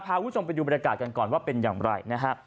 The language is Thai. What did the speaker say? พาคุณผู้ชมไปดูบรรยากาศกันก่อนว่าเป็นอย่างไรนะฮะ